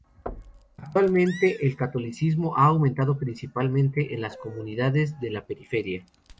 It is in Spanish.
Actualmente el catolicismo ha aumentado principalmente en las comunidades de la periferia.